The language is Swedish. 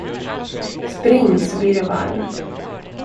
Spring, så blir du varm.